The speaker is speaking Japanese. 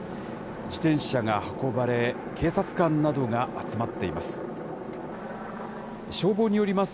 自転車が運ばれ、警察官などが集まっています。